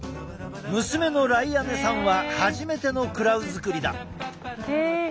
娘のライアネさんは初めてのクラウ作りだ。